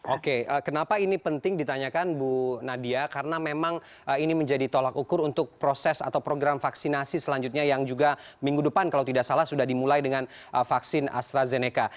oke kenapa ini penting ditanyakan bu nadia karena memang ini menjadi tolak ukur untuk proses atau program vaksinasi selanjutnya yang juga minggu depan kalau tidak salah sudah dimulai dengan vaksin astrazeneca